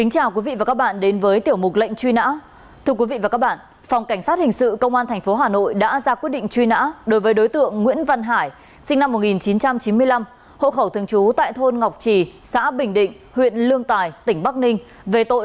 hãy đăng ký kênh để ủng hộ kênh của chúng mình nhé